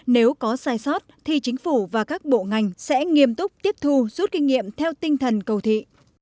nếu có sai sót thì chính phủ và các bộ ngành sẽ nghiêm túc tiếp thu rút kinh nghiệm theo tinh thần cầu thị